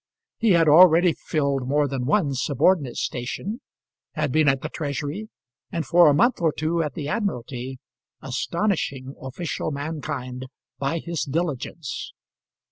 He had already filled more than one subordinate station, had been at the Treasury, and for a month or two at the Admiralty, astonishing official mankind by his diligence.